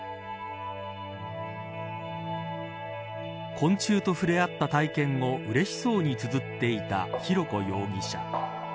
昆虫と触れ合った体験をうれしそうにつづっていた浩子容疑者。